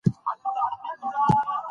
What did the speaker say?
ځوانان د وینې د تویېدو سره سره مبارزه کوي.